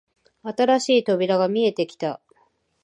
新しい扉が見えてきた